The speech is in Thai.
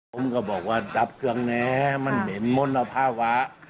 ผมก็บอกว่าดับเครื่องแน่มันเห็นมลภาวะ